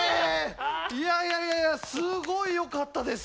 いやいやいやすごいよかったです。